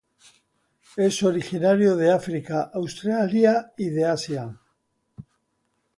Es originario de África, Australia y de Asia.